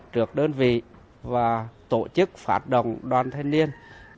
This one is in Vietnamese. trược đơn vị và tổ chức phát đồng đoàn thanh niên